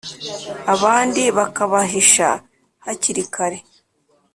abandi bakabahisha hakiri kare.